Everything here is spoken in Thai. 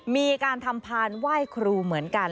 มีการทำพานไหว้ครูเหมือนกัน